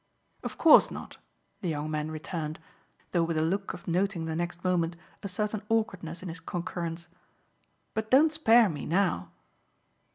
"Of course not!" the young man returned, though with a look of noting the next moment a certain awkwardness in his concurrence. "But don't spare me now."